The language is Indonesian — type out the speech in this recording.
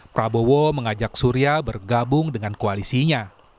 prabowo mengajak surya bergabung dengan koalisinya